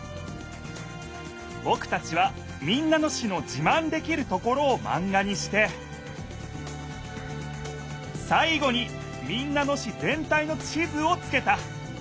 ぼくたちは民奈野市のじまんできるところをマンガにしてさい後に民奈野市ぜん体の地図をつけた。